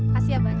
kasih abang ya